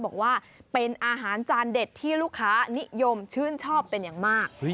บอกว่าเป็นอาหารจานเด็ดที่ลูกค้านิยมชื่นชอบเป็นอย่างมาก